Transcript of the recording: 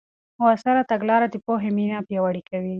مؤثره تګلاره د پوهې مینه پیاوړې کوي.